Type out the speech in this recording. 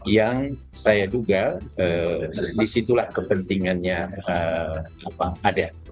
yang saya duga disitulah kepentingannya ada